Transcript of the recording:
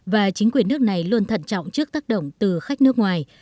và chính quyền nước này luôn thận trọng trước tác động từ khách nước ngoài